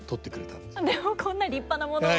でもこんな立派なものを。